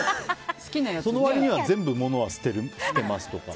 その割には全部物は捨てますとか。